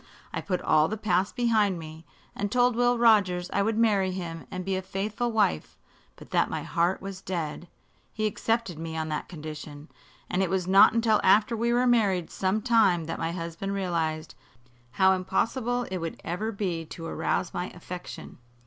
I put all the past behind me, and told Will Rogers I would marry him and be a faithful wife; but that my heart was dead. He accepted me on that condition, and it was not until after we were married some time that my husband realized how impossible it would ever be to arouse my affection.